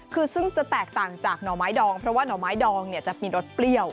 คือซึ่งจะแตกต่างจากหน่อไม้ดองเพราะว่าหน่อไม้ดองจะมีรสเปรี้ยว